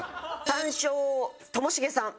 単勝ともしげさん。